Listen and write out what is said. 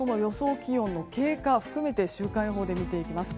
気温の経過を含めて週間予報で見ていきます。